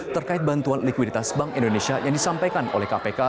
terkait bantuan likuiditas bank indonesia yang disampaikan oleh kpk